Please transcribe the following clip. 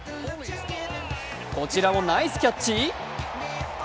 こちらもナイスキャッチ？